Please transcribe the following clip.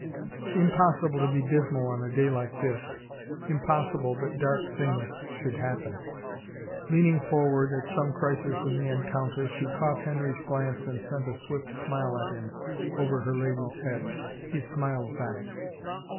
Impossible to be dismal on a day like this ! Impossible that dark things should happen! Leaning forward, at some crisis in the encounter, she caught Henry's glance and sent a swift smile at him over her ladies' heads; he smiled back.